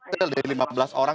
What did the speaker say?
dari lima belas orang